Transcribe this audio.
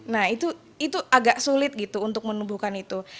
nah itu agak sulit gitu untuk menumbuhkan itu